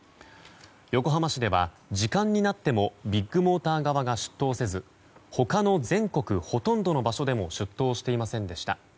横浜市では、時間になってもビッグモーター側が出頭せず他の全国ほとんどの場所でも出頭していませんでした。